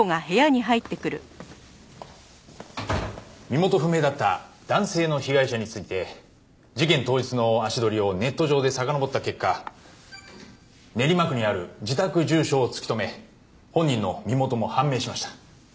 身元不明だった男性の被害者について事件当日の足取りをネット上でさかのぼった結果練馬区にある自宅住所を突き止め本人の身元も判明しました。